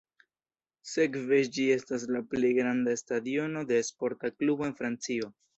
Sekve ĝi estas la plej granda stadiono de sporta klubo en Francio.